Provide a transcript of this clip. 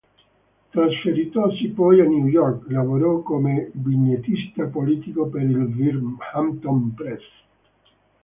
Trasferitosi poi a New York, lavorò come vignettista politico per il Binghamton Press.